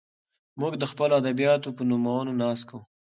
موږ د خپلو ادیبانو په نومونو ناز کوو.